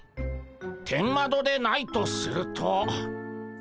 天窓でないとすると。